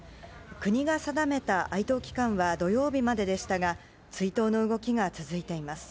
国が定めた哀悼期間は土曜日まででしたが、追悼の動きが続いています。